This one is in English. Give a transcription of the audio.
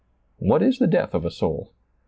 What is the death of a soul ?